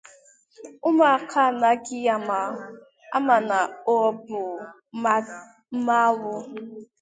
ụmụaka anaghị ama na ọ bụ mmanwụ.